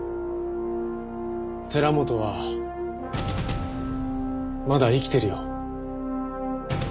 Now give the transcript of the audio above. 寺本はまだ生きてるよ。